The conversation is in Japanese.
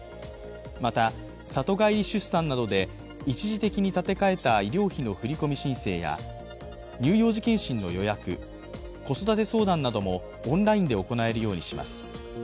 また、里帰り出産などで一時的に立て替えた医療費の振り込み申請や乳幼児健診の予約、子育て相談などもオンラインで行えるようにします。